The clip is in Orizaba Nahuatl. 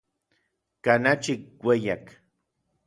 Kanachi ik ueyak.